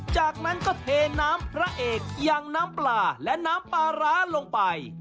จากนั้นก็เทน้ำพระเอกอย่างน้ำปลาและน้ำปลาร้าลงไป